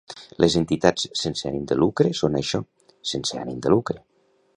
Les entitats sense ànim de lucre són això, sense ànim de lucre.